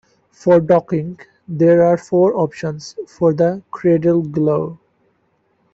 For docking, there are four options for the "cradle glow".